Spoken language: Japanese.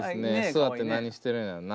座って何してるんやろなあ。